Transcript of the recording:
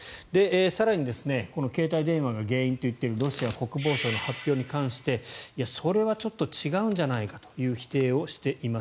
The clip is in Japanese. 更に携帯電話が原因と言っているロシア国防省の発表に関してそれはちょっと違うんじゃないかという否定をしています。